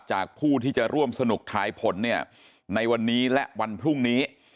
ผู้ที่จะร่วมสนุกทายผลเนี่ยในวันนี้และวันพรุ่งนี้